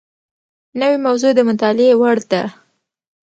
نوې موضوع د مطالعې وړ ده